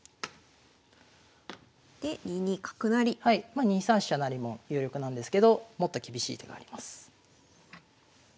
まあ２三飛車成も有力なんですけどもっと厳しい手があります。